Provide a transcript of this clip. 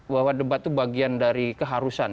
bahwa debat itu bagian dari keharusan